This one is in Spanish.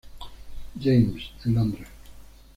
James, en Londres.